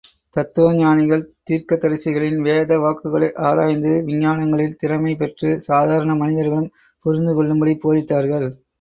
தத்துவஞானிகள் தீர்க்கதரிசிகளின் வேத வாக்குகளை ஆராய்ந்து, விஞ்ஞானங்களில் திறமைபெற்று, சாதாரண மனிதர்களும் புரிந்துகொள்ளும்படி போதித்தார்கள்.